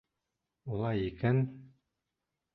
Улай икән...